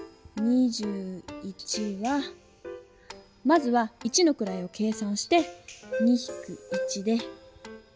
まずは一のくらいを計算して２ひく１で１。